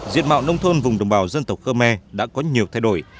diệt mạo nông thôn vùng đồng bào dân tộc khmer đã có nhiều thay đổi